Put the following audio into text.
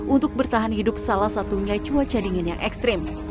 untuk bertahan hidup salah satunya cuaca dingin yang ekstrim